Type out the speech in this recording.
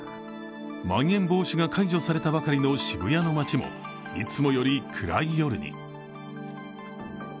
まん延防止が解除されたばかりの渋谷の街もいつもより暗い夜に。